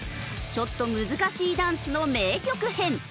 ちょっと難しいダンスの名曲編。